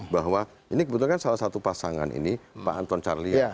bahwa ini kebetulan kan salah satu pasangan ini pak anton carlia